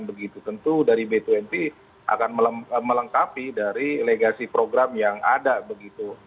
begitu tentu dari b dua puluh akan melengkapi dari legasi program yang ada begitu